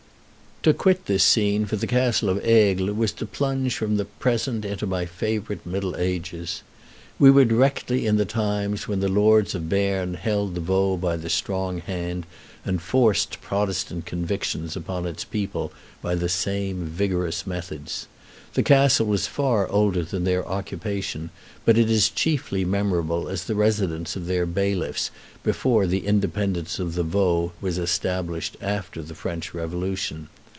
To quit this scene for the castle of Aigle was to plunge from the present into my favorite Middle Ages. We were directly in the times when the Lords of Berne held the Vaud by the strong hand, and forced Protestant convictions upon its people by the same vigorous methods. The castle was far older than their occupation, but it is chiefly memorable as the residence of their bailiffs before the independence of the Vaud was established after the French Revolution.